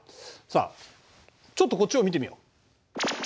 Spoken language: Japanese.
さあちょっとこっちを見てみよう。